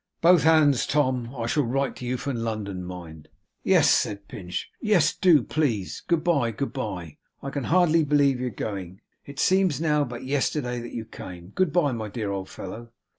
'Both hands, Tom. I shall write to you from London, mind!' 'Yes,' said Pinch. 'Yes. Do, please. Good bye. Good bye. I can hardly believe you're going. It seems, now, but yesterday that you came. Good bye! my dear old fellow!